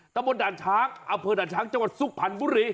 ตะบนด่านช้างอำเภอด่านช้างจังหวัดสุพรรณบุรี